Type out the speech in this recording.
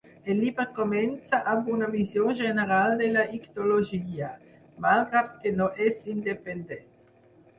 El llibre comença amb una visió general de la ictiologia, malgrat que no és independent.